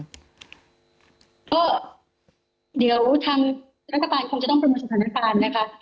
ก็เดี๋ยวทางรัฐบาลคงจะต้องประเมินสถานการณ์นะคะ